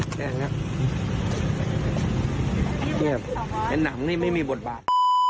แกงเนี้ยแกงน้ำนี่ไม่มีบดบาส